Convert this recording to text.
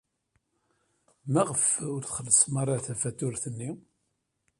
Maɣef ur txellṣem ara tafatuṛt-nni?